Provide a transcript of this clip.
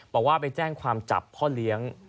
บอกว่าไปแจ้งความจับพ่อเลี้ยง